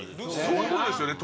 そういうことですよね